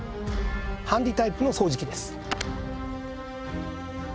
ハンディータイプの掃除機です。